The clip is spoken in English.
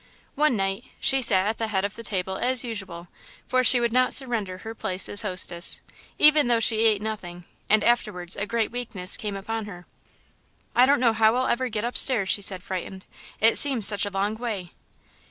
One night, she sat at the head of the table as usual; for she would not surrender her place as hostess, even though she ate nothing, and afterward a great weakness came upon her. "I don't know how I'll ever get upstairs," she said, frightened; "it seems such a long way!"